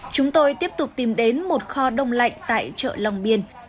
chúng tôi tiếp tục tìm đến một kho đông lạnh tại chợ long biên